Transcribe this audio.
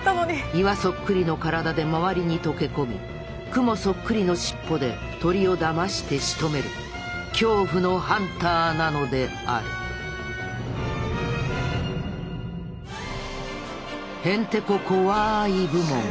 岩そっくりの体で周りに溶け込みクモそっくりの尻尾で鳥をだましてしとめる恐怖のハンターなのであるへんてこコワーい部門！